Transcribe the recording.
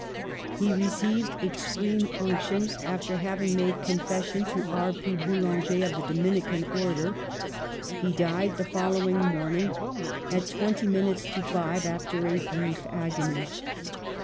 He received extreme unction, after having made confession to R. P. Boulanger, of the Dominican order. He died the following morning at twenty minutes to five after a brief agony.